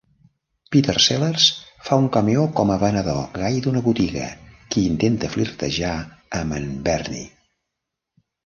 Peter Sellers fa un cameo com a venedor gai d'una botiga qui intenta flirtejar amb en Bernie.